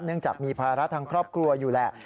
จากมีภาระทางครอบครัวอยู่แหละ